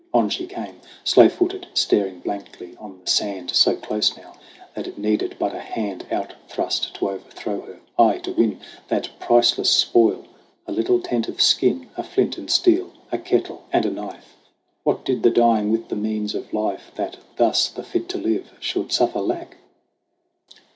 On she came, Slow footed, staring blankly on the sand So close now that it needed but a hand Out thrust to overthrow her; aye, to win That priceless spoil, a little tent of skin, A flint and steel, a kettle and a knife ! What did the dying with the means of life, That thus the fit to live should suffer lack